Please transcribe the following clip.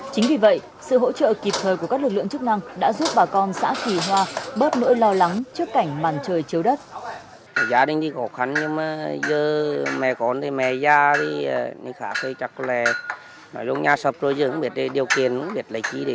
chính vì vậy sự hỗ trợ kịp thời của các lực lượng chức năng đã giúp bà con xã kỳ hoa bớt nỗi lo lắng trước cảnh màn trời chiếu đất